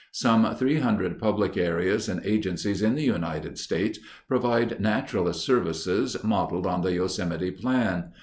Some three hundred public areas and agencies in the United States provide naturalist services modeled on the Yosemite plan.